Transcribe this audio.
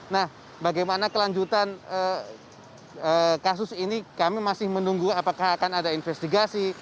nah bagaimana kelanjutan kasus ini kami masih menunggu apakah akan ada investigasi